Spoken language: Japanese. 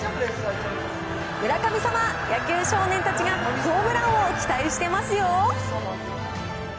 村神様、野球少年たちがホームランを期待してますよ。